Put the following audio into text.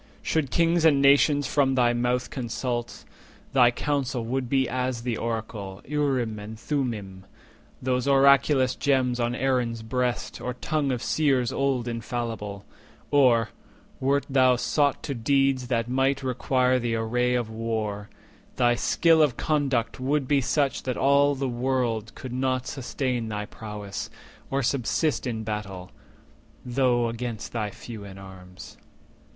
Should kings and nations from thy mouth consult, Thy counsel would be as the oracle Urim and Thummim, those oraculous gems On Aaron's breast, or tongue of Seers old Infallible; or, wert thou sought to deeds That might require the array of war, thy skill Of conduct would be such that all the world Could not sustain thy prowess, or subsist In battle, though against thy few in arms.